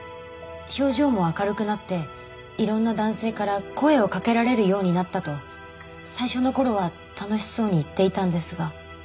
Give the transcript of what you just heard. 表情も明るくなっていろんな男性から声をかけられるようになったと最初の頃は楽しそうに言っていたんですが。